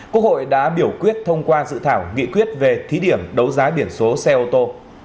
quốc hội đã biểu quyết thông qua dự thảo nghị quyết về thí điểm đấu giá biển số xe ô tô